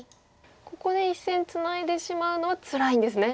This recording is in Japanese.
ここで１線ツナいでしまうのはつらいんですね。